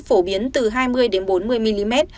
phổ biến từ hai mươi bốn mươi mm